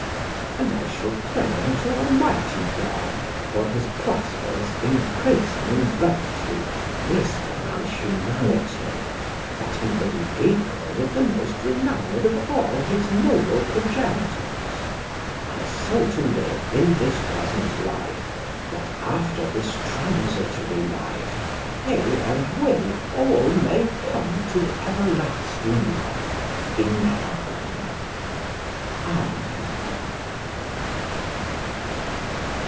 And I shall pray unto Almighty God for his prosperous increasing in virtue, wisedom, and humanity, that he may be equal with the most renowned of all his noble progenitors; and so to live in this present life that after this transitory life he and we all may come to everlasting life in Heaven. Amen.